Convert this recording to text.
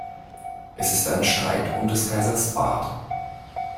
Es ist ein Streit um des Kaisers Bart.